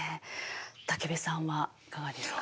武部さんはいかがですか？